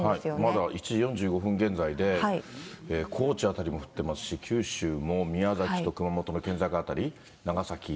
まだ１時４５分現在で高知辺りも降ってますし、九州も宮崎と熊本の県境辺り、長崎。